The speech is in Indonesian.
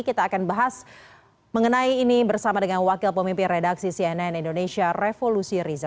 kita akan bahas mengenai ini bersama dengan wakil pemimpin redaksi cnn indonesia revolusi riza